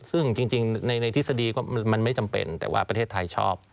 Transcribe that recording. ซึ่งจริงในทฤษฎีก็มันไม่จำเป็นแต่ว่าประเทศไทยชอบ